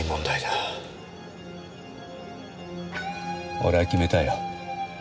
俺は決めたよ。